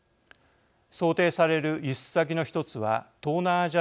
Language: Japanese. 想定される輸出先の一つは東南アジア諸国です。